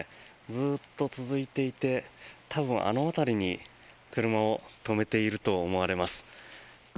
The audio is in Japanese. ずーっと続いていて多分、あの辺りに車を止めていると思われます。